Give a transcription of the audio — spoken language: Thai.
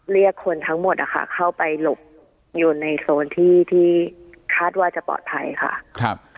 เรียกคนทั้งหมดนะคะเข้าไปหลบอยู่ในโซนที่ที่คาดว่าจะปลอดภัยค่ะ